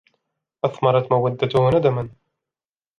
أَثْمَرَتْ مَوَدَّتُهُ نَدَمًا